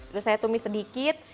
udah saya tumis sedikit